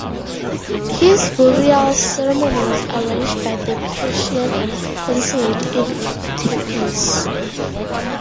His burial ceremony was arranged by the Persian consulate in Tiflis.